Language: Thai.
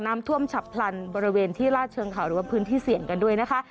น้ำท่วมฉับพลันบริเวณที่ลาดเชิงเขาหรือว่าพื้นที่เสี่ยงกันด้วยนะคะ